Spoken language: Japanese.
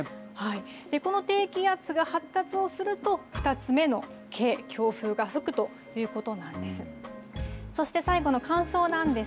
この低気圧が発達をすると、２つ目のＫ、強風が吹くということなんです。